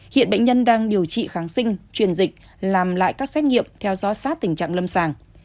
hiện bệnh nhân đang điều trị kháng sinh truyền dịch làm lại các xét nghiệm theo dõi sát tình trạng lâm sàng